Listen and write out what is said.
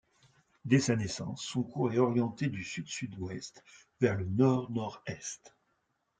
Dès sa naissance, son cours est orienté du sud-sud-ouest vers le nord-nord-est.